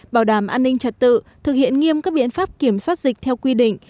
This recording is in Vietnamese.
bảo đảm an ninh trật tự thực hiện nghiêm các biện pháp kiểm soát dịch theo quy định